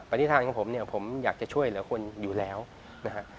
นิษฐานของผมเนี่ยผมอยากจะช่วยเหลือคนอยู่แล้วนะฮะ